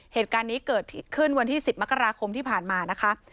เหตุการณ์นี้เกิดขึ้นวันที่๑๐มกราคมที่ผ่านมานะคะ